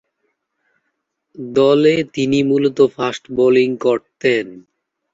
দলে তিনি মূলতঃ ফাস্ট বোলিং করতেন।